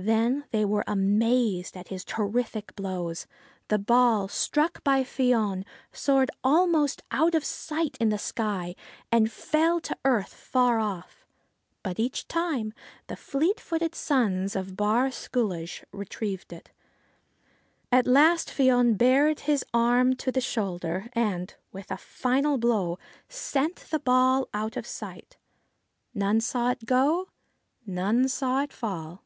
Then they were amazed at his terrific blows. The ball, struck by Fion, soared almost out of sight in the sky, and fell to earth far off. But, each time, the fleet footed sons of Bawr Sculloge retrieved it. At last Fion bared his arm to the shoulder, and, with a final blow, sent the ball out of sight. None saw it go ; none saw it fall.